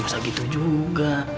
masa gitu juga